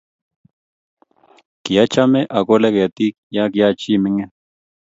kiachame akole ketik ya kiachi mining